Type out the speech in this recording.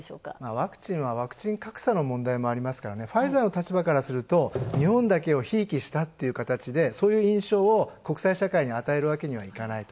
ワクチンはワクチン格差の問題もありますから、ファイザーの立場からすると日本だけをひいきしたっていう形で、そういう印象を国際社会に与えるわけにはいかない。